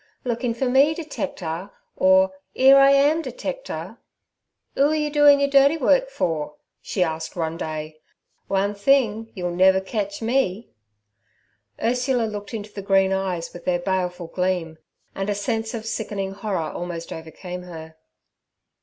'Lookin' for me, detecter?' or "Ere I am, detecter.' "Oo are you doin' yer dirty work for?' she asked one day. 'One thing, you'll never ketch me!' Ursula looked into the green eyes with their baleful gleam, and a sense of sickening horror almost overcame her.